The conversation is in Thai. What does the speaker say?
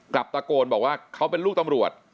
ตะโกนบอกว่าเขาเป็นลูกตำรวจ